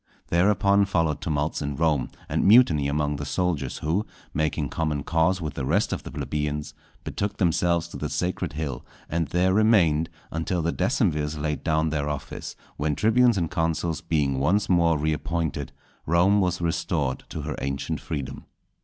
Thereupon followed tumults in Rome, and mutiny among the soldiers, who, making common cause with the rest of the plebeians, betook themselves to the Sacred Hill, and there remained until the decemvirs laid down their office; when tribunes and consuls being once more appointed, Rome was restored to her ancient freedom.